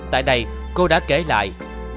tại đây cô đã kể lại